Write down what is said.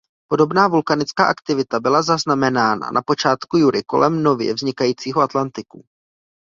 Podobná vulkanická aktivita byla zaznamenána na začátku jury kolem nově vznikajícího Atlantiku.